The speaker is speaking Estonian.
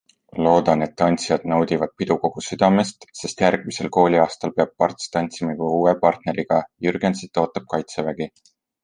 Loodan, et tantsijad naudivad pidu kogu südamest, sest järgmisel kooliaastal peab Parts tantsima juba uue partneriga, Jürgensit ootab kaitsevägi.